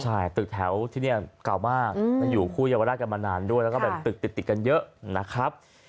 ใช่ตึกแถวที่นี่เก่ามากอยู่คู่เยาวราชกันมานานด้วยแล้วก็แบบตึกติดกันเยอะนะครับ